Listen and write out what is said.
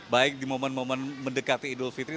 baik di momen momen mendekati idul fitri